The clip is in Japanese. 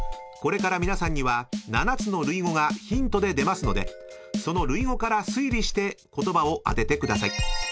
［これから皆さんには７つの類語がヒントで出ますのでその類語から推理して言葉を当ててください］